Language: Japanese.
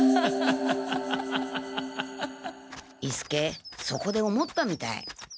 伊助そこで思ったみたい。